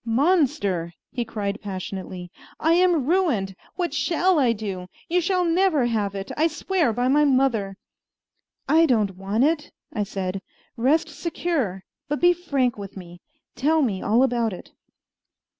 "Monster!" he cried passionately, "I am ruined! What shall I do? You shall never have it! I swear by my mother!" "I don't want it," I said; "rest secure, but be frank with me. Tell me all about it."